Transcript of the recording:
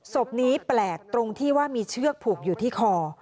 ศพนี้แปลกตรงที่ว่ามีเชือกผูกอยู่ที่คอ